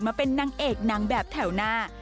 มาเป็นนางเอกนางแบบแถวหน้า